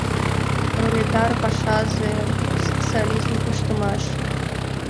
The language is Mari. Пролетар пашазе — социализм ыштымаш.